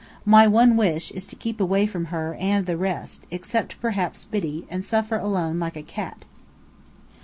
My one wish is to keep away from her and the rest, except perhaps Biddy, and suffer alone, like a cat.